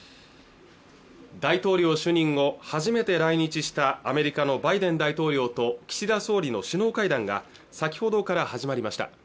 大統領就任後初めて来日したアメリカのバイデン大統領と岸田総理の首脳会談が先ほどから始まりました